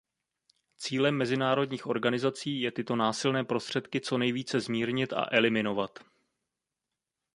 Cílem mezinárodních organizací je tyto násilné prostředky co nejvíce zmírnit a eliminovat.